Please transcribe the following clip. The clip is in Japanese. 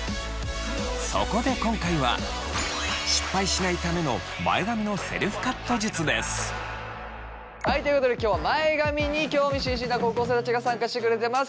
そこで今回ははいということで今日は前髪に興味津々な高校生たちが参加してくれてます。